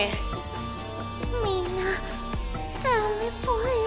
みんなダメぽよ。